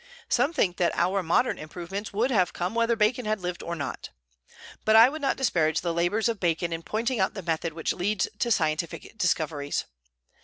Some think that our modern improvements would have come whether Bacon had lived or not. But I would not disparage the labors of Bacon in pointing out the method which leads to scientific discoveries.